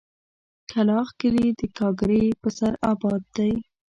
کلاخ کلي د گاگرې په سر اباد دی.